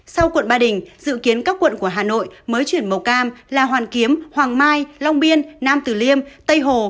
sau quận ba đình dự kiến các quận của hà nội mới chuyển màu cam là hoàn kiếm hoàng mai long biên nam tử liêm tây hồ